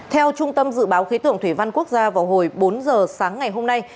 theo trung tâm dự báo khí tượng thủy văn quốc gia vào hồi bốn giờ sáng ngày hôm nay